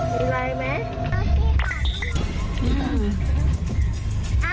มีลายไหม